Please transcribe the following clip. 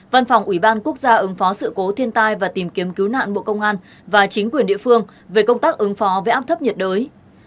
văn phòng ủy ban quốc gia ứng phó sự cố thiên tai và tìm kiếm cứu nạn bộ công an và chính quyền địa phương về công tác ứng phó với áp thấp nhiệt đới